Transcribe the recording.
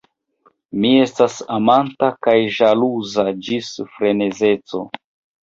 Mi estas amanta kaj ĵaluza ĝis frenezeco.